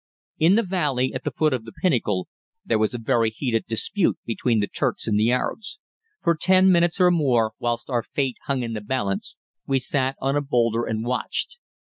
In the valley, at the foot of the pinnacle, there was a very heated dispute between the Turks and the Arabs. For ten minutes or more, whilst our fate hung in the balance, we sat on a boulder and watched.